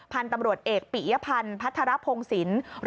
พันธุ์ตำรวจเอกปิยพันธ์พัทรพงศิลป์